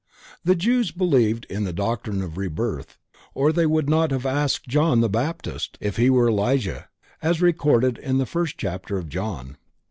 The Jews believed in the Doctrine of Rebirth or they would not have asked John the Baptist if he were Elijah, as recorded in the first chapter of John.